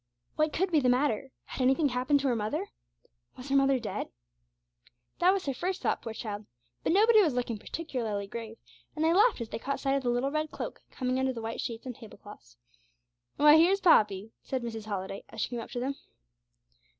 What could be the matter? Had anything happened to her mother? Was her mother dead? That was her first thought, poor child. But nobody was looking particularly grave, and they laughed as they caught sight of the little red cloak coming under the white sheets and table cloths. 'Why, here's Poppy!' said Mrs. Holliday, as she came up to them.